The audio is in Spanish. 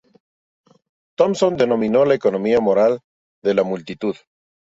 Thompson denominó la economía moral de la multitud.